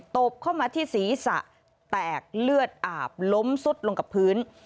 ตบเข้ามาที่ศีรษะแตกเลือดอาบล้มซุดลงกับพื้น